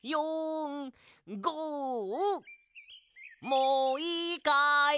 もういいかい？